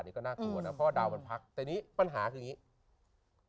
นี่ก็น่ากลัวนะพ่อดาวมันพักแต่นี่ปัญหาคืออย่างนี้